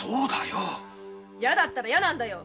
嫌だったら嫌なんだよ